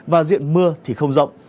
và diện mưa thì không rộng